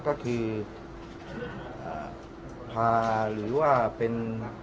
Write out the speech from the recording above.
ก็คือพาหรือว่าเป็น